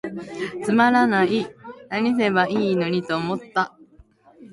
つまらない、癈せばいゝのにと思つた。